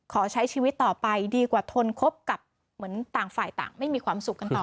ขอใช้ชีวิตต่อไปดีกว่าทนคบกับเหมือนต่างฝ่ายต่างไม่มีความสุขกันต่อ